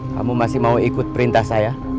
kamu masih mau ikut perintah saya